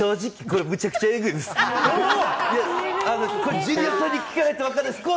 正直、これむちゃくちゃエグいです。